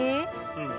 うん。